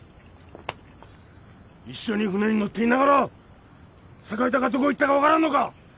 一緒に舟に乗っていながら境田がどこへ行ったのか分からんのか！？